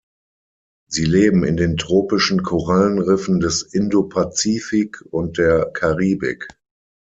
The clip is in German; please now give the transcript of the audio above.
Sie leben in den tropischen Korallenriffen des Indopazifik und der Karibik.